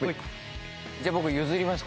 じゃあ僕譲ります